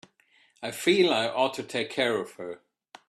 I feel I ought to take care of her.